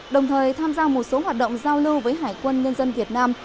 đồng thời tham gia một số hoạt động giao lưu với hải quân nhân dân việt nam